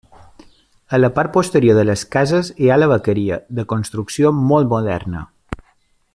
A la part posterior de les cases hi ha la vaqueria, de construcció molt moderna.